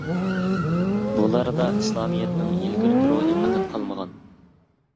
بۇلاردا ئىسلامىيەتنىڭ ئىلگىرىكى روھى پەقەت قالمىغان.